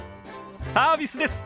サービスです。